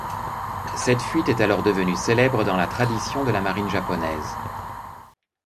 Cette fuite est alors devenue célèbre dans la tradition de la marine japonaise.